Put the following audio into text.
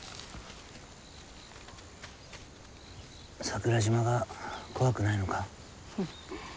桜島が怖くないのか？